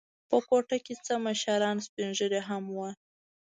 په کوټه کې څه مشران سپین ږیري هم و.